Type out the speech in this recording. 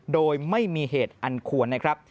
โดยไม่มีเหตุอันควรนะครับ